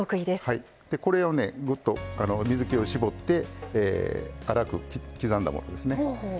これをぐっと水けを絞って粗く刻んだものですね。